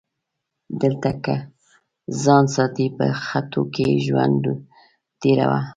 دلته که ځان ساتي په خټو کې ژوندون تیروه